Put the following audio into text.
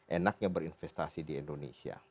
enaknya berinvestasi di indonesia